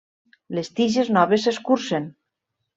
Les tiges noves s'escurcen.